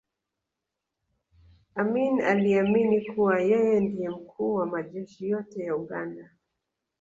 amin aliamini kuwa yeye ndiye mkuu wa majeshi yote ya uganda